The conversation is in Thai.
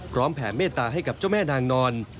แผ่เมตตาให้กับเจ้าแม่นางนอน